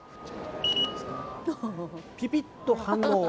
ピピッと反応。